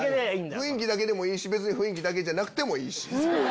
雰囲気だけでもいいし雰囲気だけじゃなくてもいい。